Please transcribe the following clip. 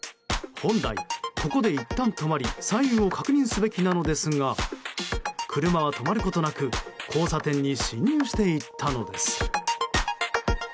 本来、ここでいったん止まり左右を確認すべきなのですが車は止まることなく交差点に進入していったのです。